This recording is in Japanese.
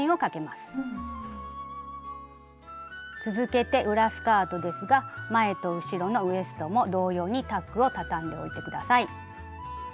続けて裏スカートですが前と後ろのウエストも同様にタックをたたんでおいて下さい。